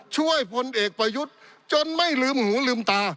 พลเอกประยุทธ์จนไม่ลืมหูลืมตา